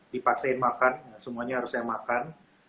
dipaksain makan semuanya harus saya makan